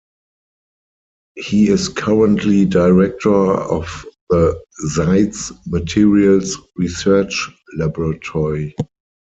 He is currently Director of the Seitz Materials Research Laboratory.